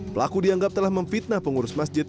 pelaku dianggap telah memfitnah pengurus masjid